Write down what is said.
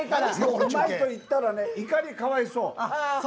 うまいといったらイカにかわいそう。